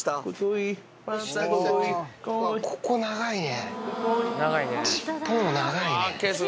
ここ長いね。